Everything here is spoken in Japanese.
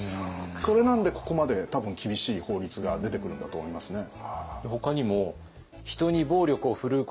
それなんでここまで多分厳しい法律が出てくるんだと思いますね。